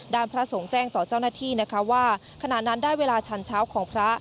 พระสงฆ์แจ้งต่อเจ้าหน้าที่นะคะว่าขณะนั้นได้เวลาชันเช้าของพระ